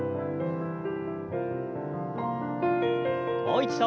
もう一度。